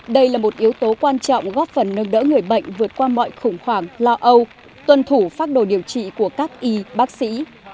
đây là một yếu tố quan trọng góp phần nâng đỡ người bệnh vượt qua mọi khủng hoảng lo âu tuân thủ phác đồ điều trị của các y bác sĩ